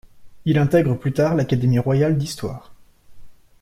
Il intègre plus tard l'Académie royale d'Histoire.